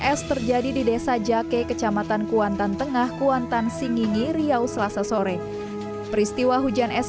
es terjadi di desa jake kecamatan kuantan tengah kuantan singingi riau selasa sore peristiwa hujan es